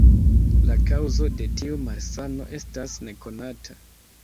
La kaŭzo de tiu malsano estas nekonata.